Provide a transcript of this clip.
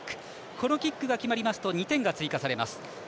このキックが決まりますと２点が追加されます。